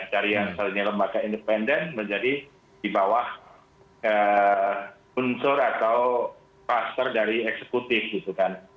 dari yang misalnya lembaga independen menjadi di bawah unsur atau kluster dari eksekutif gitu kan